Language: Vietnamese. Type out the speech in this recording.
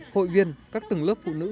hội viên các tầng lớp phụ nữ